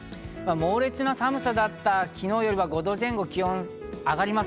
猛烈な寒さだった昨日よりは、５度前後気温が上がります。